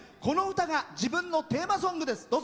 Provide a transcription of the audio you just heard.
この歌が自分のテーマソングです。